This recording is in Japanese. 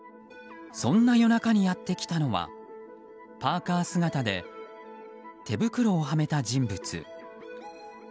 そんな夜中にやってきたのはパーカ姿で手袋をはめた人物。